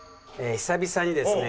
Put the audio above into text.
久々にですね